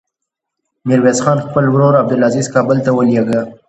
ميرويس خان خپل ورور عبدلعزير کابل ته ولېږه.